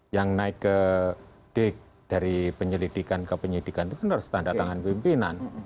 yang naik ke d dari penyelidikan ke penyelidikan itu benar setandar tangan pimpinan